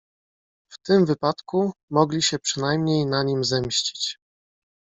"W tym wypadku mogli się przynajmniej na nim zemścić."